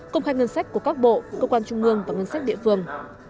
công khai ngân sách của các bộ cơ quan trung ương và ngân sách địa phương